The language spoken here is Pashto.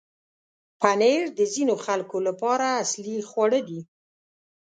پنېر د ځینو خلکو لپاره اصلي خواړه دی.